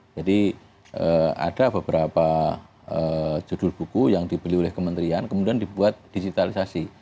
jadi ada beberapa judul buku yang dibeli oleh kementerian kemudian dibuat digitalisasi